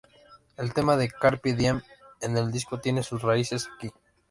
El tema del "Carpe Diem" en el disco tiene sus raíces aquí.